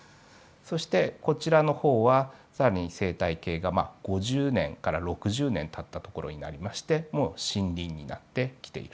そしてこちらの方は更に生態系が５０年から６０年たったところになりましてもう森林になってきている。